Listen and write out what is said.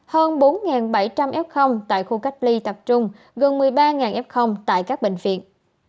hơn bốn bảy trăm linh f tại khu cách ly tập trung gần một mươi ba f tại các bệnh viện